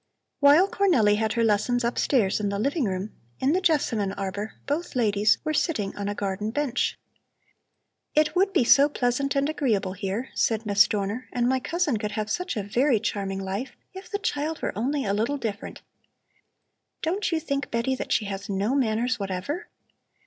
While Cornelli had her lessons upstairs in the living room, in the jessamine arbor both ladies were sitting on a garden bench. "It would be so pleasant and agreeable here," said Miss Dorner, "and my cousin could have such a very charming life, if the child were only a little different. Don't you think, Betty, that she has no manners whatever?"